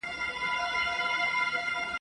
نن سهار خبر سوم چي انجنیر سلطان جان کلیوال !.